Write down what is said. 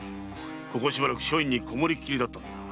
ここしばらく書院にこもりっきりだったからな。